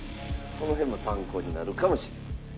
この辺も参考になるかもしれません。